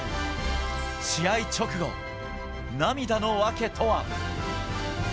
試合直後、涙の訳とは。